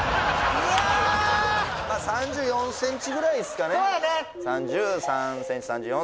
まぁ３４ｃｍぐらいすかね